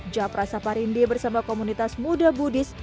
japra saparindi bersama komunitas muda buddhis